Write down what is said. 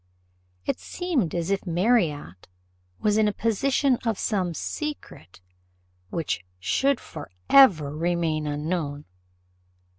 It seemed as if Marriott was in possession of some secret, which should for ever remain unknown.